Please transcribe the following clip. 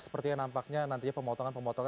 seperti yang nampaknya nantinya pemotongan pemotongan